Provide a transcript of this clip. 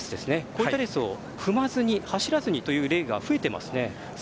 こういったレースを走らずにという例が増えていますね。